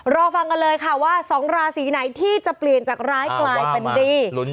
รอฟังกันเลยค่ะว่า๒ราศีไหนที่จะเปลี่ยนจากร้ายกลายเป็นดี